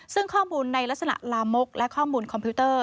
ซึ่งข้อมูลในลักษณะลามกและข้อมูลคอมพิวเตอร์